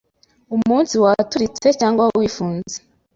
umutsi waturitse cyangwa wifunze